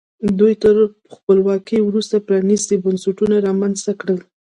دوی تر خپلواکۍ وروسته پرانیستي بنسټونه رامنځته کړل.